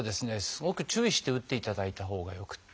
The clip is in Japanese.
すごく注意して打っていただいたほうがよくて。